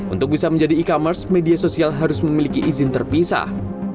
untuk bisa menjadi e commerce media sosial harus memiliki izin terpisah